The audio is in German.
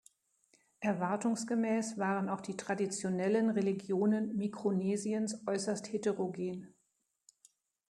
Erwartungsgemäß waren auch die traditionellen Religionen Mikronesiens äußerst heterogen.